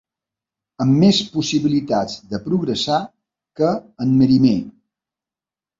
Amb més possibilitats de progressar que en Merimée.